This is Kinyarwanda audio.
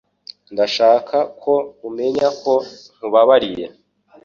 Ndashaka ko umenya ko nkubabariye.